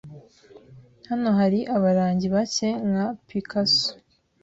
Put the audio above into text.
Hano hari abarangi bake nka Picasso.